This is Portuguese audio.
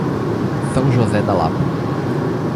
São José da Lapa